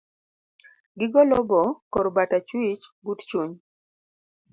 Gigol obo kor bat achwich but chuny